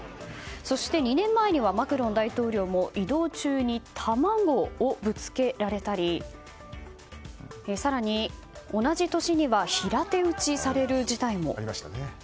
そして２年前にはマクロン大統領も移動中に卵をぶつけられたり更に、同じ年には平手打ちされる事態も。